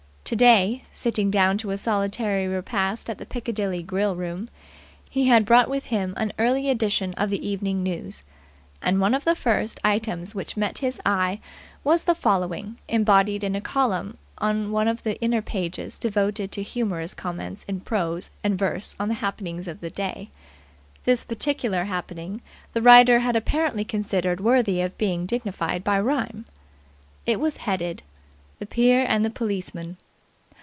Today, sitting down to a solitary repast at the Piccadilly grill room, he had brought with him an early edition of the Evening News. And one of the first items which met his eye was the following, embodied in a column on one of the inner pages devoted to humorous comments in prose and verse on the happenings of the day. This particular happening the writer had apparently considered worthy of being dignified by rhyme. It was headed: "THE PEER AND THE POLICEMAN."